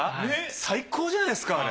最高じゃないですかあれ。